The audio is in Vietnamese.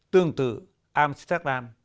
tương tự amsterdam